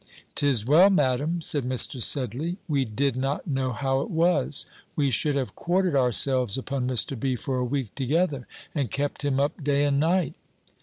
"Tis well, Madam," said Mr. Sedley, "we did not know how it was. We should have quartered ourselves upon Mr. B. for a week together, and kept him up day and night."